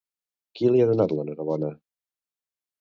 Qui li ha donat l'enhorabona?